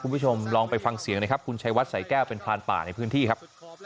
คุณผู้ชมลองไปฟังเสียงนะครับคุณชัยวัดสายแก้วเป็นพรานป่าในพื้นที่ครับ